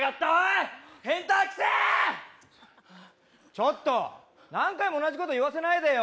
ちょっと何回も同じこと言わせないでよ